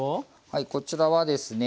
はいこちらはですね